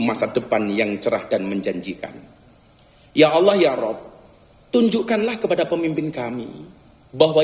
masa depan yang cerah dan menjanjikan ya allah ya rob tunjukkanlah kepada pemimpin kami bahwa